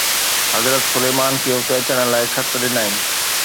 حضرت سليمان کي اتي اچڻ لاءِ خط ڏنائين.